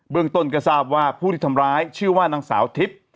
เรื่องต้นก็ทราบว่าผู้ที่ทำร้ายชื่อว่านางสาวทิพย์